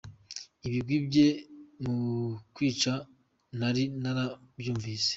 Ibigwi bye mu kwica nari narabyumvise.